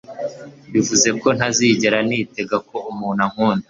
bivuze ko ntazigera nitega ko umuntu ankunda